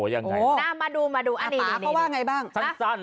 ยังไงน่ามาดูมาดูอ่านี่นี่นี่นี่เพราะว่าไงบ้างสั้นสั้น